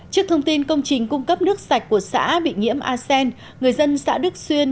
trước thông tin công trình cung cấp nước sạch của xã bị nhiễm asean người dân xã đức xuyên